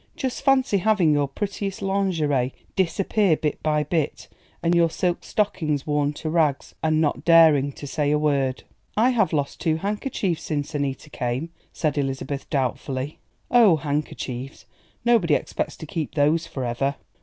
Just fancy having your prettiest lingerie disappear bit by bit, and your silk stockings worn to rags, and not daring to say a word!" "I have lost two handkerchiefs since Annita came," said Elizabeth doubtfully. "Oh, handkerchiefs, nobody expects to keep those forever.